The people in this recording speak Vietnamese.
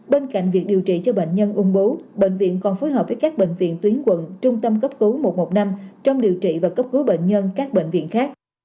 bên cạnh việc điều trị cho bệnh nhân ung bú bệnh viện còn phối hợp với các bệnh viện tuyến quận trung tâm cấp cứu một trăm một mươi năm trong điều trị và cấp cứu bệnh nhân các bệnh viện khác